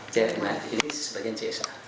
cma ini sebagian csr